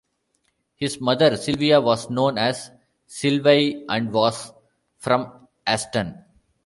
His mother, Sylvia, was known as "Sylvie" and was from Aston.